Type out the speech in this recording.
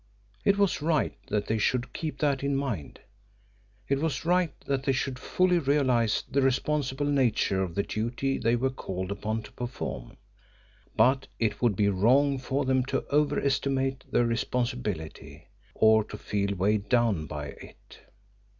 It was right that they should keep that in mind; it was right that they should fully realise the responsible nature of the duty they were called upon to perform, but it would be wrong for them to over estimate their responsibility, or to feel weighed down by it.